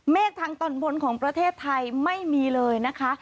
ทางตอนบนของประเทศไทยไม่มีเลยนะคะ